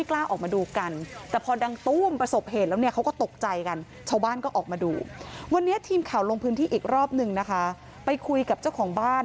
แล้วเขาก็ตกใจกันชาวบ้านก็ออกมาดูวันนี้ทีมเขารงพื้นที่อีกรอบนึงไปคุยกับเจ้าของบ้าน